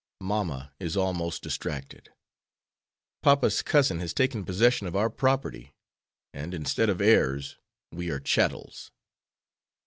Mamma is almost distracted. Papa's cousin has taken possession of our property, and instead of heirs we are chattels.